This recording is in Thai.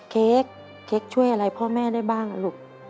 เค้กเค้กช่วยอะไรพ่อแม่ได้บ้างลูก